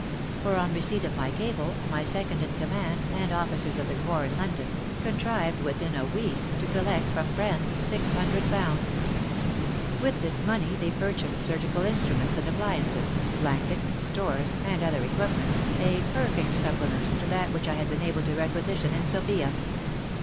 For, on receipt of my cable, my second in command, and officers of the Corps In London, contrived within a week to collect from friends ^600. With this money they purchased surgical instruments and appliances, blankets, stores, and other equipment, a perfect supplement to that which I had been able to requisition in Sofia.